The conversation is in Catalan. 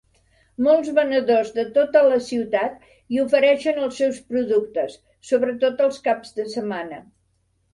Molts venedors de tota la ciutat hi ofereixen els seus productes, sobretot els caps de setmana.